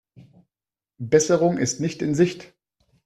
Besserung ist nicht in Sicht.